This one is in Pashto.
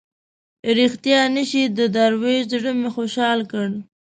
ریښتیا نه شي د دروېش زړه مې خوشاله کړ.